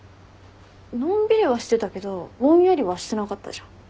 のんびりはしてたけどぼんやりはしてなかったじゃん。